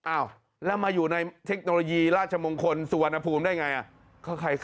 อ้าวแล้วมาอยู่ในเทคโนโลยีราชมงคลสุวรรณภูมิได้ไง